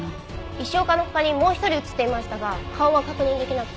石岡の他にもう一人映っていましたが顔は確認出来なくて。